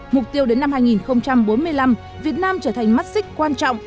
mục tiêu đến năm hai nghìn bốn mươi năm việt nam trở thành mắt xích quan trọng